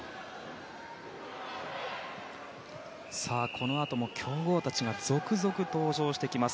このあとも強豪たちが続々登場してきます。